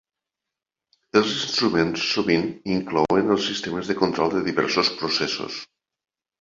Els instruments sovint inclouen els sistemes de control de diversos processos.